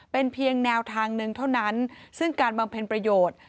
เป็นเพียงแนวทางหนึ่งเท่านั้นซึ่งการบำเพ็ญประโยชน์